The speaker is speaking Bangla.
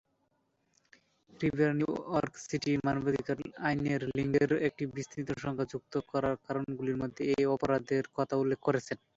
রিভেরা নিউ ইয়র্ক সিটি মানবাধিকার আইনে লিঙ্গের একটি বিস্তৃত সংজ্ঞা যুক্ত করার কারণগুলির মধ্যে এই অপরাধের কথা উল্লেখ করেছেন।